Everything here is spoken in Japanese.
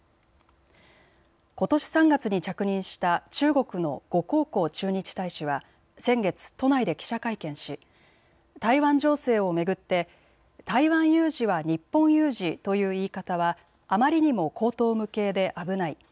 ことし３月に着任した中国の呉江浩駐日大使は先月、都内で記者会見し台湾情勢を巡って台湾有事は日本有事という言い方はあまりにも荒唐無稽で危ない。